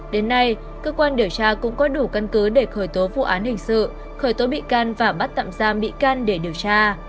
đến nay cơ quan điều tra cũng có đủ căn cứ để khởi tố vụ án hình sự khởi tố bị can và bắt tạm giam bị can để điều tra